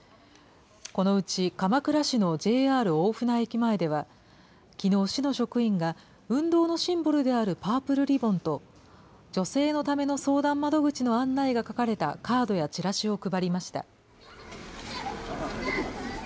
このうち鎌倉市のＪＲ大船駅前では、きのう、市の職員が、運動のシンボルであるパープルリボンと、女性のための相談窓口の案内が書かれたカードやチラシを配りました。